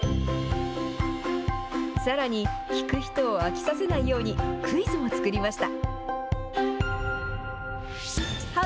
さらに聞く人を飽きさせないようにクイズも作りました。